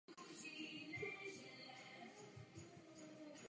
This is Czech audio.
Neexistuje tak zdravá minimální dávka alkoholu.